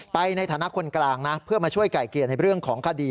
ไปในฐานะคนกลางนะเพื่อมาช่วยไก่เกลียดในเรื่องของคดี